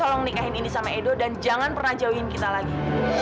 tolong nikahin ini sama edo dan jangan pernah jauhin kita lagi